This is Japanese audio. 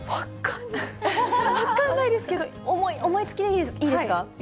分かんないですけど、思いつきでいいですか？